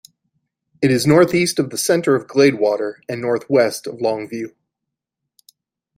It is northeast of the center of Gladewater and northwest of Longview.